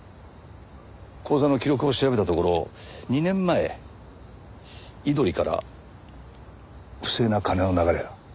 口座の記録を調べたところ２年前井鳥から不正な金の流れが。